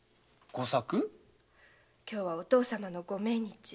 今日はお義父さまのご命日。